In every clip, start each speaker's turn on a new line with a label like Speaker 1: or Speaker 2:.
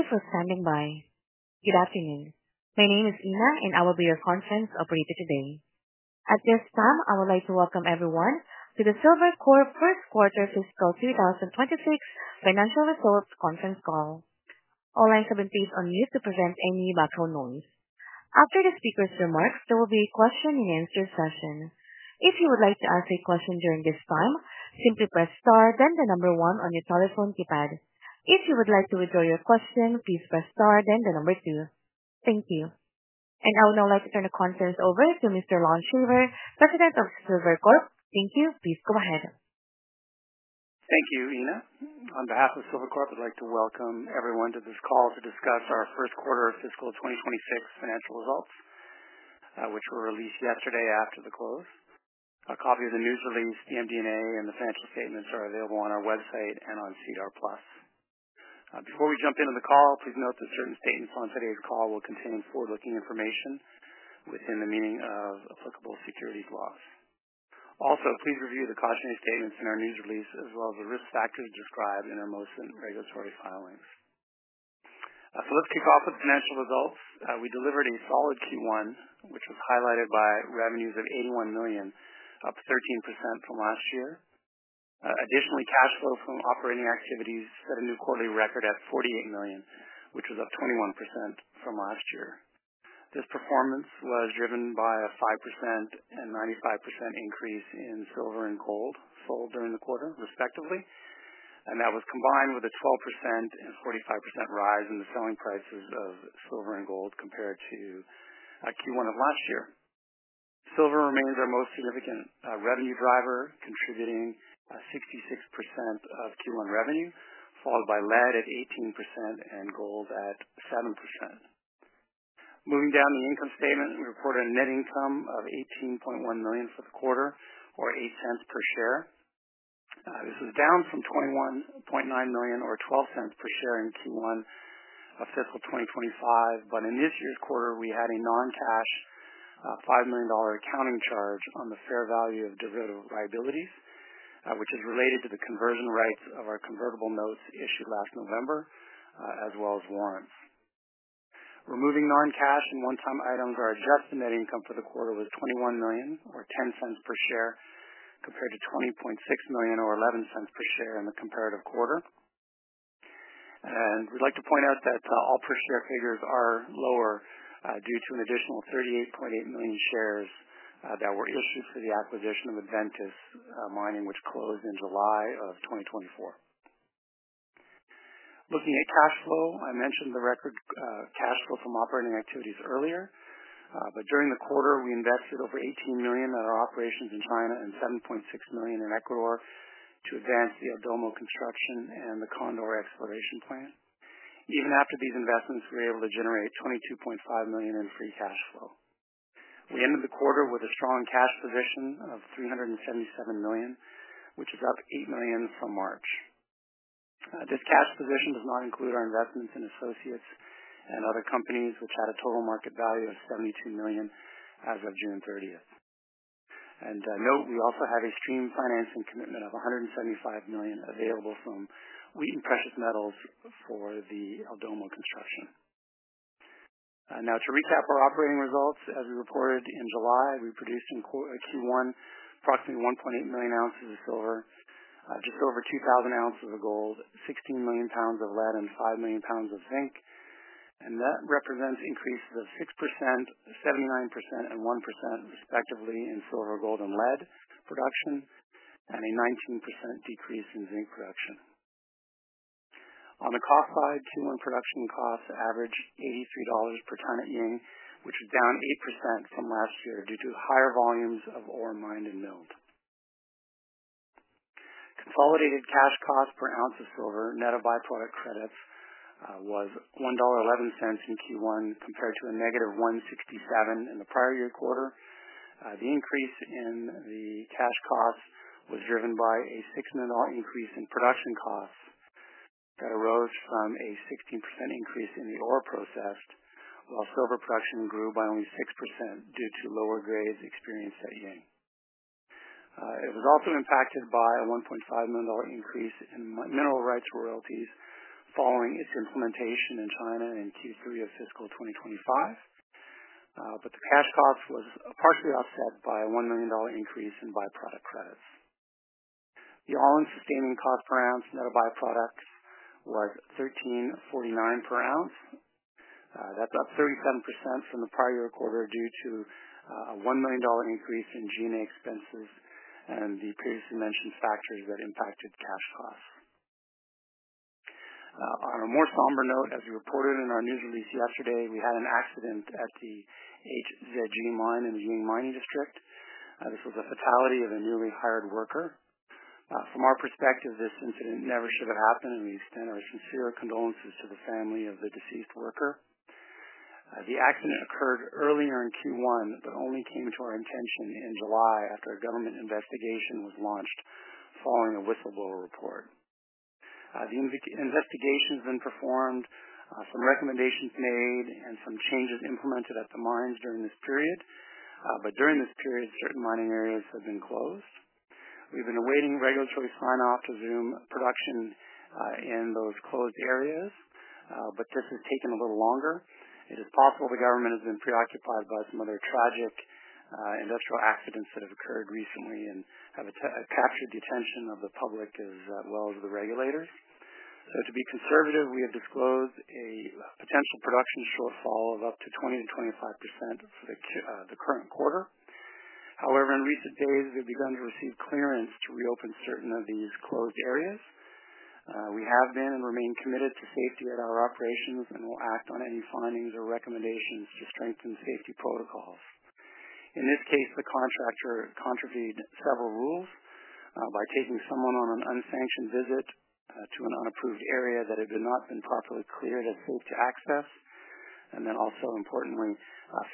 Speaker 1: Thank you for standing by. Good afternoon. My name is Ina, and I will be your conference operator today. At this time, I would like to welcome everyone to the Silvercorp First Quarter Fiscal 2026 Financial Results Conference Call. All lines have been taped on mute to prevent any background noise. After the speaker's remarks, there will be a question and answer session. If you would like to ask a question during this time, simply press star, then the number one on your telephone keypad. If you would like to withdraw your question, please press star, then the number two. Thank you. I would now like to turn the conference over to Mr. Lon Shaver, President of Silvercorp. Thank you. Please go ahead.
Speaker 2: Thank you, Ina. On behalf of Silvercorp Metals, I'd like to welcome everyone to this call to discuss our first quarter of fiscal 2026 financial results, which were released yesterday after the close. A copy of the news release, the MD&A, and the financial statements are available on our website and on CEDAR+. Before we jump into the call, please note that certain statements on today's call will contain forward-looking information within the meaning of applicable securities laws. Also, please review the costing statements in our news release, as well as the risk factors described in our most recent regulatory filings. Let's kick off with the financial results. We delivered a solid Q1, which was highlighted by revenues of $81 million, up 13% from last year. Additionally, cash flow from operating activities set a new quarterly record at $48 million, which was up 21% from last year. This performance was driven by a 5% and 95% increase in silver and gold sold during the quarter, respectively, and that was combined with a 12% and 45% rise in the selling prices of silver and gold compared to Q1 of last year. Silver remains our most significant revenue driver, contributing 66% of Q1 revenue, followed by lead at 18% and gold at 7%. Moving down the income statement, we reported a net income of $18.1 million for the quarter, or $0.08 per share. This was down from $21.9 million, or $0.12 per share, in Q1 fiscal 2025. In this year's quarter, we had a non-cash $5 million accounting charge on the fair value of derivative liabilities, which is related to the conversion rights of our convertible notes issued last November, as well as warrants. Removing non-cash and one-time items, our adjusted net income for the quarter was $21 million, or $0.10 per share, compared to $20.6 million, or $0.11 per share in the comparative quarter. We'd like to point out that all per-share figures are lower due to an additional 38.8 million shares that were issued for the acquisition of Adventus Mining, which closed in July of 2024. Looking at cash flow, I mentioned the record cash flow from operating activities earlier. During the quarter, we invested over $18 million in our operations in China and $7.6 million in Ecuador to advance the El Domo construction and the Condor exploration plant. Even after these investments, we were able to generate $22.5 million in free cash flow. We ended the quarter with a strong cash position of $377 million, which is up $8 million from March. This cash position does not include our investments in associates and other companies, which had a total market value of $72 million as of June 30th. We also had a stream financing commitment of $175 million available from Wheaton Precious Metals for the El Domo construction. Now to recap our operating results, as we reported in July, we produced in Q1 approximately 1.8 million oz of silver, just over 2,000 oz of gold, 16 million lb of lead, and 5 million lb of zinc. That represents increases of 6%, 79%, and 1%, respectively, in silver, gold, and lead production, and a 19% decrease in zinc production. On the cost side, Q1 production costs averaged $83 per [ton] of grain, which is down 8% from last year due to higher volumes of ore mined and milled. Consolidated cash cost per ounce of silver, net of by-product credits, was $1.11 in Q1 compared to a -$1.67 in the prior year quarter. The increase in the cash cost was driven by a $6 million increase in production costs that arose from a 16% increase in the ore processed, while silver production grew by only 6% due to lower grades experienced at Ying. It was also impacted by a $1.5 million increase in mineral rights royalties following its implementation in China in Q3 of fiscal 2025. The cash cost was partially offset by a $1 million increase in by-product credits. The all-in sustaining cost per ounce net of by-product was $13.49 per ounce. That's up 37% from the prior year quarter due to a $1 million increase in G&A expenses and the [Polymet] and factories that impacted cash costs. On a more somber note, as we reported in our news release yesterday, we had an accident at the HZG mine in Ying Mining District. This was a fatality of a newly hired worker. From our perspective, this incident never should have happened, and we extend our sincere condolences to the family of the deceased worker. The accident occurred earlier in Q1, but only came to our attention in July after a government investigation was launched following a whistleblower report. The investigation's been performed, some recommendations made, and some changes implemented at the mines during this period. During this period, certain mining areas have been closed. We've been awaiting regulatory sign-off to resume production in those closed areas, but this has taken a little longer. It is possible the government has been preoccupied by some other tragic industrial accidents that have occurred recently and have attracted the attention of the public as well as the regulator. To be conservative, we have disclosed a potential production shortfall of up to 20%-25% for the current quarter. However, in recent days, we began to receive clearance to reopen certain of these closed areas. We have been and remain committed to safety at our operations and will act on any findings or recommendations to strengthen safety protocols. In this case, the contractor contravened several rules by taking someone on an unsanctioned visit to an unapproved area that had not been properly cleared or approved to access, and then also, importantly,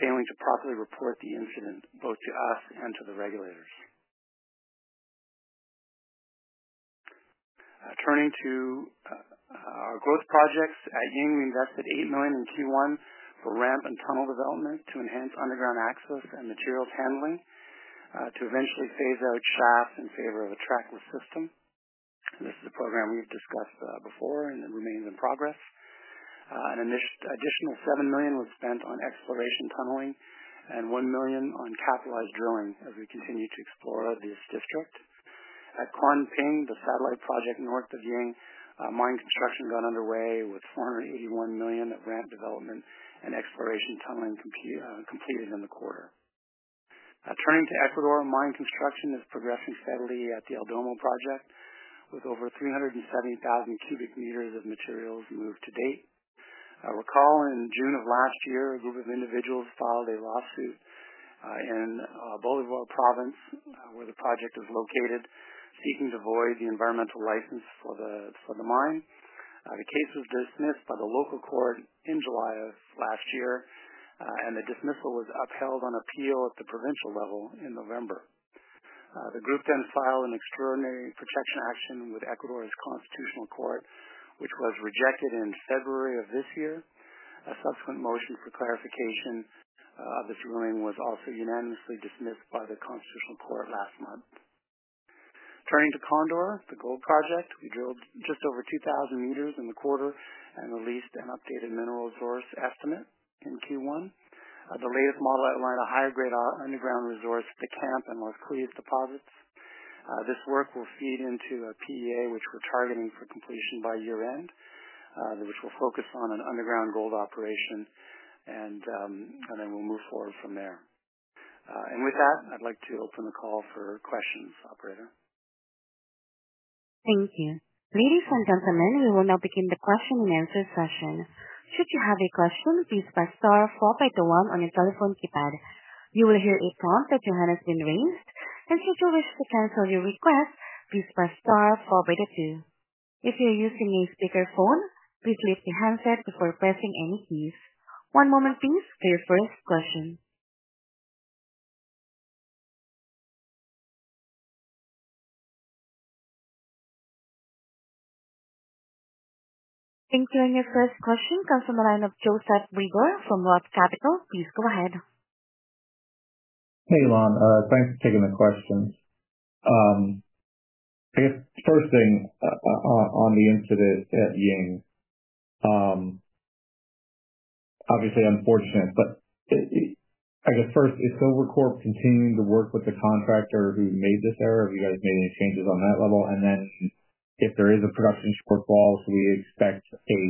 Speaker 2: failing to properly report the incident both to us and to the regulators. Turning to our growth projects, at Ying, we invested $8 million in Q1 for ramp and tunnel development to enhance underground access and materials handling to eventually phase out track in favor of a trackless system. This is a program we've discussed before and it remains in progress. An additional $7 million was spent on exploration tunneling and $1 million on capitalized drilling as we continue to explore this district. At Kuanping, the satellite project north of Ying, mine construction got underway with 481 million of ramp development and exploration tunneling completed in the quarter. Turning to Ecuador, mine construction is progressing steadily at the El Domo project, with over 370,000 cubic meters of materials moved to date. Recall in June of last year, a group of individuals filed a lawsuit in Bolivar Province, where the project is located, seeking to void the environmental license for the mine. The case was dismissed by the local court in July of last year, and the dismissal was upheld on appeal at the provincial level in November. The group then filed an extraordinary protection action with Ecuador's Constitutional Court, which was rejected in February of this year. A subsequent motion for clarification of this ruling was also unanimously dismissed by the Constitutional Court last month. Turning to Condor, the gold project, we drilled just over 2,000 m in the quarter and released an updated mineral resource estimate in Q1. The latest model outlined a higher grade underground resource to [Camp and La Canela] deposits. This work will feed into a PEA, which we're targeting for completion by year-end, that will focus on an underground gold operation, and then we'll move forward from there. With that, I'd like to open the call for questions, operator.
Speaker 1: Thank you. Ladies and gentlemen, we will now begin the question and answer session. Should you have a question, please press star 4 by the one on the telephone keypad. You will hear a response that your hand has been raised. If you feel this is a case of your request, please press star 4 by the two. If you're using a speaker phone, please lift your handset before pressing any keys. One moment, please, for your first question. Thank you. Your first question comes from the line of Joseph Reagor from ROTH Capital. Please go ahead.
Speaker 3: Hey, Lon, thanks for taking the questions. I guess the first thing, on the incident at Ying, obviously unfortunate. I guess first, is Silvercorp continuing to work with the contractor who made this error? Have you guys made any changes on that level? If there is a production shortfall, do we expect a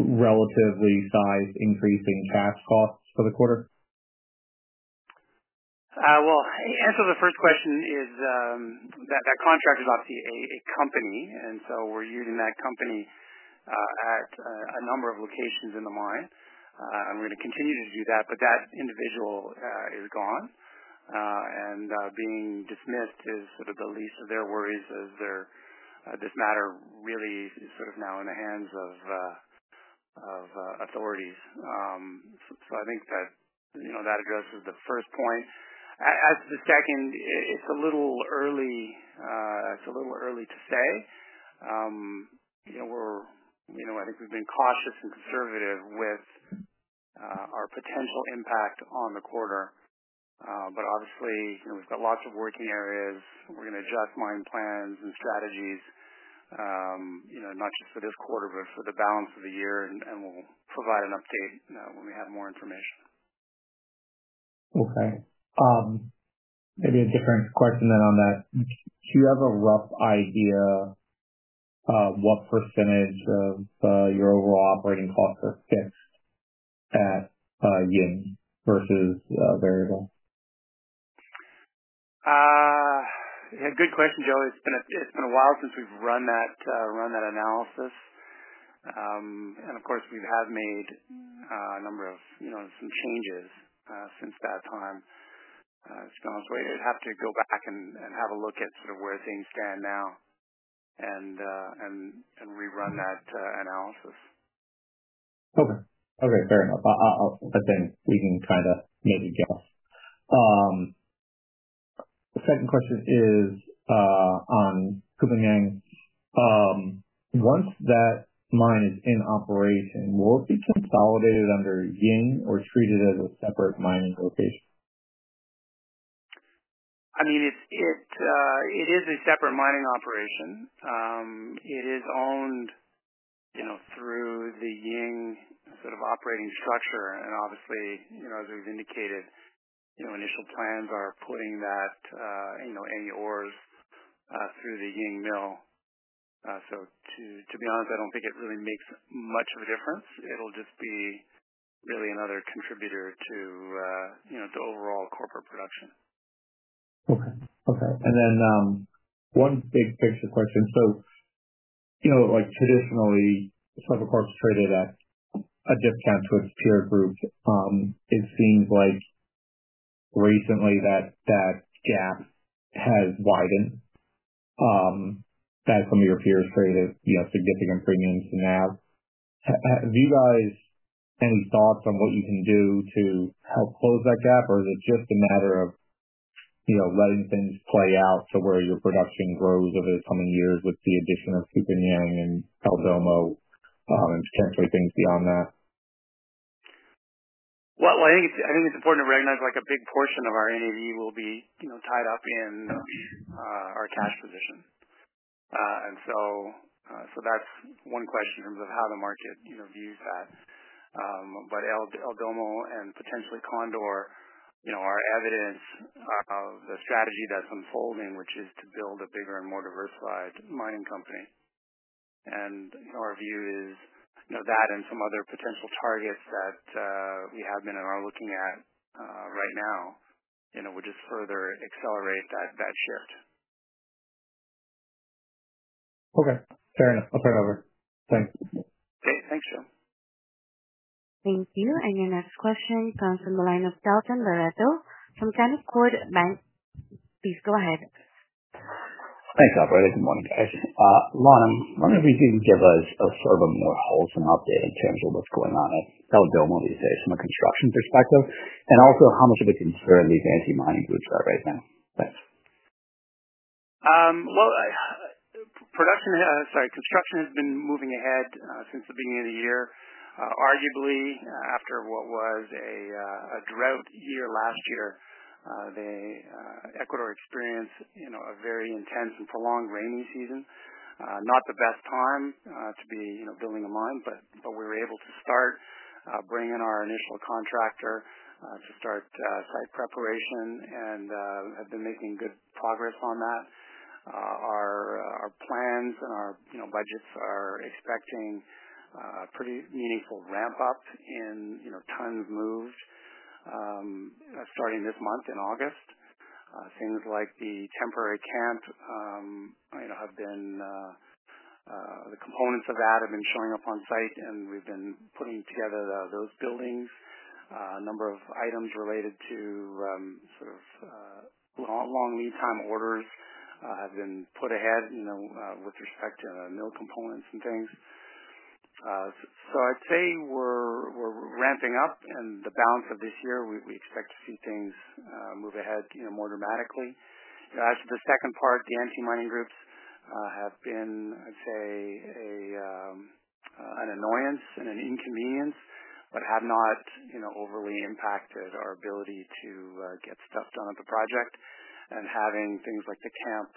Speaker 3: relatively sized increase in cash costs for the quarter?
Speaker 2: The answer to the first question is that contractor is obviously a company, and so we're using that company at a number of locations in the mine. We're going to continue to do that, but that individual is gone. Being dismissed is sort of the least of their worries as this matter really is now in the hands of authorities. I think that addresses the first point. Just checking, it's a little early to say. I think we've been cautious and conservative with our potential impact on the quarter, but obviously we've got lots of working areas. We're going to adjust mine plans and strategies, not just for this quarter but for the balance of the year, and we'll provide an update when we have more information.
Speaker 3: Okay, maybe a different question then on that. Do you have a rough idea what percentage of your overall operating costs are fixed at Ying versus variable?
Speaker 2: Yeah, good question, Joe. It's been a while since we've run that analysis. Of course, we have made a number of, you know, some changes since that time. I'd have to go back and have a look at sort of where things stand now and rerun that analysis.
Speaker 3: Okay. Fair enough. I think we can try to maybe guess. The second question is on [Kuanping Yang]. Once that mine is in operation, will it be consolidated under Ying or treated as a separate mining location?
Speaker 2: I mean, it is a separate mining operation. It is owned, you know, through the Ying sort of operating structure. Obviously, as we've indicated, initial plans are putting that, you know, any ores, through the Ying mill. To be honest, I don't think it really makes much of a difference. It'll just be really another contributor to the overall corporate production.
Speaker 3: Okay. And then, one big picture question. Traditionally, Silvercorp has traded at a discount towards tiered groups. It seems like recently that gap has widened. That's when we were curious, created, you know, significant premiums to now. Have, do you guys have any thoughts on what you can do to help close that gap, or is it just a matter of letting things play out to where your production grows over the coming years with the addition of [Kuanping] and El Domo, and potentially things beyond that?
Speaker 2: I think it's important to recognize a big portion of our energy will be tied up in our cash position, and that's one question in terms of how the market views that. El Domo and potentially Condor are evidence of the strategy that's unfolding, which is to build a bigger and more diversified mining company. Our view is that and some other potential targets that we have been and are looking at right now would just further accelerate that shift.
Speaker 3: Okay. Fair enough. I'll turn it over. Thanks.
Speaker 2: Thanks. Thanks Joe.
Speaker 1: Thank you. Your next question comes from the line of Dalton Baretto from Canaccord [Metals]. Please go ahead.
Speaker 4: Thanks, operator. Good morning. Lon, I'm wondering if you can give us a more wholesome update in terms of what's going on at El Domo these days from a construction perspective, and also how much of a concern these anti-mining groups are right now. Thanks.
Speaker 2: Production, sorry, construction has been moving ahead since the beginning of the year. Arguably, after what was a drought year last year, Ecuador experienced a very intense and prolonged rainy season. Not the best time to be building a mine, but we were able to start bringing in our initial contractor to start site preparation and have been making good progress on that. Our plans and our budgets are expecting a pretty meaningful ramp-up in tons of moves starting this month in August. It seems like the temporary camp, the components of that have been showing up on site, and we've been putting together those buildings. A number of items related to long lead-time orders have been put ahead with respect to mill components and things. I'd say we're ramping up, and the balance of this year, we expect to see things move ahead more dramatically. That's the second part. The anti-mining groups have been, I'd say, an annoyance and an inconvenience but have not overly impacted our ability to get stuff done at the project. Having things like the camp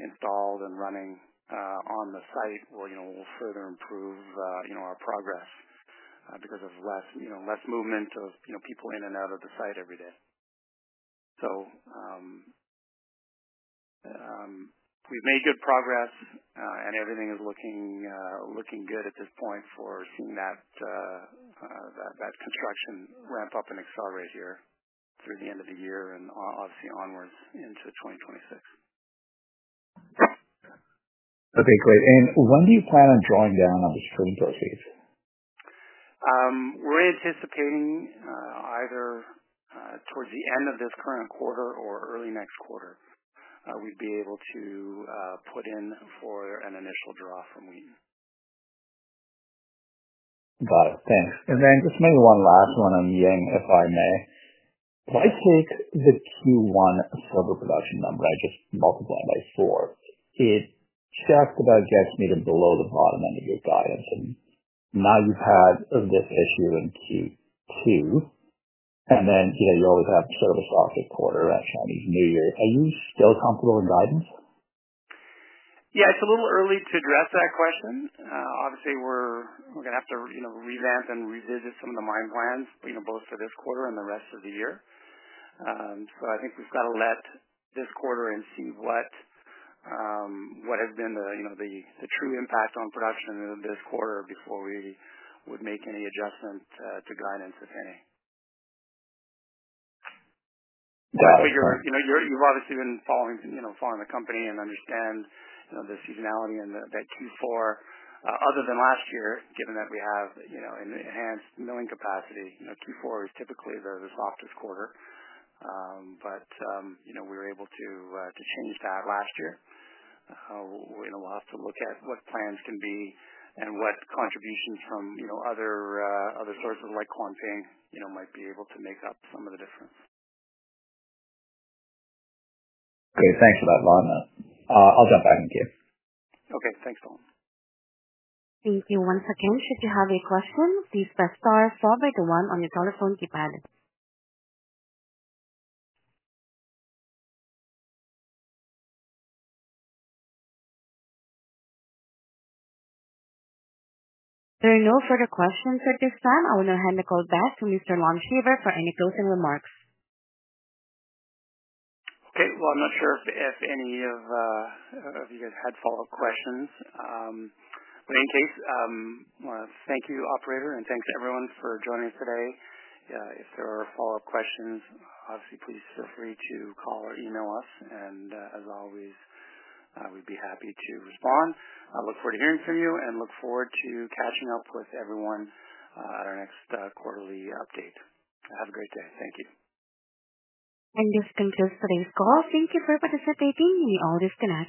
Speaker 2: installed and running on the site will further improve our progress because of less movement of people in and out of the site every day. We've made good progress, and everything is looking good at this point for that construction ramp-up and accelerate here through the end of the year and obviously onwards into 2026.
Speaker 3: Okay. Great. When do you plan on drawing down on these stream proceeds?
Speaker 2: We're anticipating either towards the end of this current quarter or early next quarter we'd be able to put in for an initial draw from Ying.
Speaker 3: Got it. Thanks. Maybe one last one on Ying, if I may. Price quotes as a Q1 silver production number. I just multiply it by four. It tracks the bar, gets needed below the bottom under your guidance. Now you've had this issue in Q2, and you always have service office quarter at [Chinese New Year]. Are you still comfortable with guidance?
Speaker 2: Yeah. It's a little early to address that question. Obviously, we're going to have to revamp and revisit some of the mine plans, both for this quarter and the rest of the year. I think we've got to let this quarter end and see what has been the true impact on production of this quarter before we would make any adjustment to guidance, if any. I figure you've obviously been following the company and understand the seasonality and that Q4, other than last year, given that we have an enhanced milling capacity. Q4 is typically the softest quarter, but we were able to change that last year. We'll have to look at what plans can be and what contributions from other sources like Kuanping might be able to make up some of the difference.
Speaker 3: Okay. Thanks for that, Lon. I'll jump back in queue.
Speaker 2: Okay, thanks.
Speaker 1: Thank you. One second. Should you have a question, please press star 4 by the one on your telephone keypad. There are no further questions at this time. I will now hand the call back to Mr. Lon Shaver for any closing remarks.
Speaker 2: I'm not sure if you guys had follow-up questions. In case, I want to thank you, operator, and thank everyone for joining us today. If there are follow-up questions, obviously, please feel free to call or email us. As always, we'd be happy to respond. I look forward to hearing from you and look forward to catching up with everyone at our next quarterly update. Have a great day. Thank you.
Speaker 1: That concludes today's call. Thank you for participating. You may now disconnect.